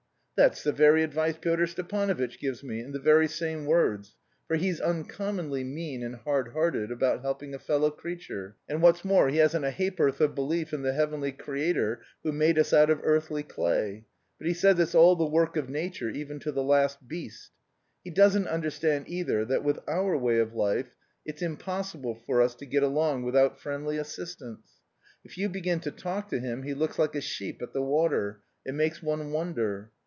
"That's the very advice Pyotr Stepanovitch gives me, in the very same words, for he's uncommonly mean and hard hearted about helping a fellow creature. And what's more, he hasn't a ha'p'orth of belief in the Heavenly Creator, who made us out of earthly clay; but he says it's all the work of nature even to the last beast. He doesn't understand either that with our way of life it's impossible for us to get along without friendly assistance. If you begin to talk to him he looks like a sheep at the water; it makes one wonder.